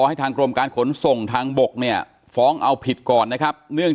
ให้ทางกรมการขนส่งทางบกเนี่ยฟ้องเอาผิดก่อนนะครับเนื่อง